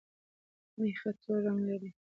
مېخه تور رنګ لري